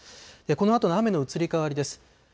このあとの雨の移り変わりです。